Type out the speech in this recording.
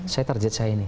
saya target saya ini